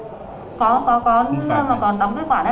có có có mà còn đóng kết quả đấy